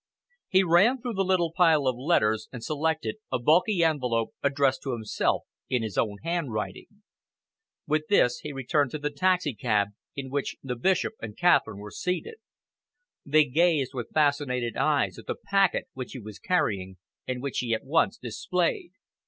He ran through the little pile of letters and selected a bulky envelope addressed to himself in his own handwriting. With this he returned to the taxicab in which the Bishop and Catherine were seated. They gazed with fascinated eyes at the packet which he was carrying and which he at once displayed.